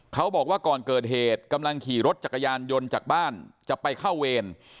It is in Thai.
เขาบอกว่าก่อนเกิดเหตุกำลังขี่รถจักรยานยนต์จากบ้านจะไปเข้าเวร